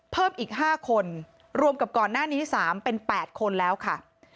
เพิ่มอีก๕คนรวมกับก่อนหน้านี้๓เป็น๘คนแล้วค่ะ